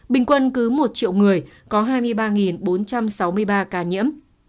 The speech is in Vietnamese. bình quân cứ một triệu người có hai mươi ba bốn trăm sáu mươi ba ca nhiễm